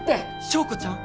昭子ちゃん？